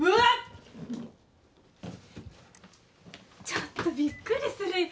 ちょっとびっくりするよ。